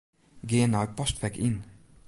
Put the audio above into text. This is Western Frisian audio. Gean nei Postfek Yn.